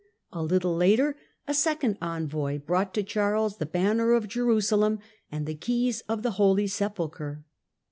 A little later a second envoy brought to Charles the banner of Jerusalem and the keys of the Holy Sepulchre.